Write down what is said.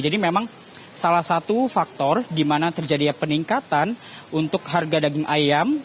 jadi memang salah satu faktor di mana terjadinya peningkatan untuk harga daging ayam